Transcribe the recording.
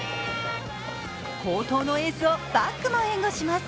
好投のエースをバックも援護します。